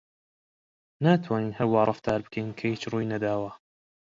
ناتوانین هەر وا ڕەفتار بکەین کە هیچ ڕووی نەداوە.